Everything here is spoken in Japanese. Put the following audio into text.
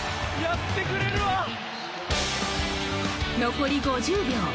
残り５０秒。